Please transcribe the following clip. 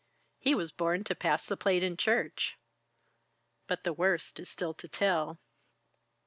He was born to pass the plate in church. But the worst is still to tell.